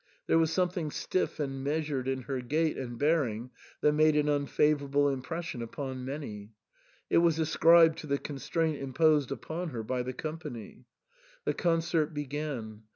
There was something stiff and measured in her gait and bearing that made an unfavourable impression upon many ; it was ascribed to the constraint imposed upon her by the company. The concert began.